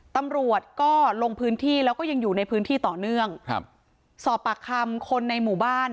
ตำรวจก็ลงพื้นที่แล้วก็ยังอยู่ในพื้นที่ต่อเนื่องครับสอบปากคำคนในหมู่บ้าน